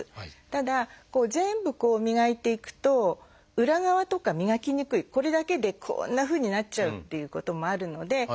ただ全部磨いていくと裏側とか磨きにくいこれだけでこんなふうになっちゃうっていうこともあるので。